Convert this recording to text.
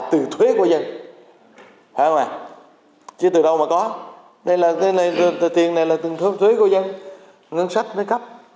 thuế của dân chứ từ đâu mà có tiền này là thuế của dân ngân sách mới cấp